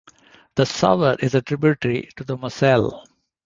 The Sauer is a tributary to the Moselle.